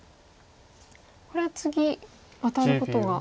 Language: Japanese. これは次ワタることが。